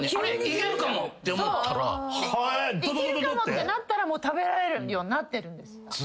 いけるかもってなったらもう食べられるようになってるんです。